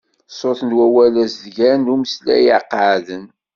Sut wawal azedgan d umeslay iqeεden.